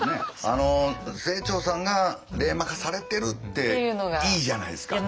あの清張さんが冷マ化されてるっていいじゃないですか。